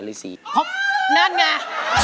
เทียงกว่า